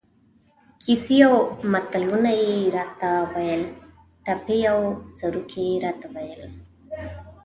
کیسې او متلونه یې را ته ویل، ټپې او سروکي یې را ته ویل.